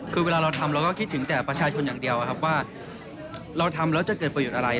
คือเวลาเราทำเราก็คิดถึงแต่ประชาชนอย่างเดียวครับว่าเราทำแล้วจะเกิดประโยชน์อะไร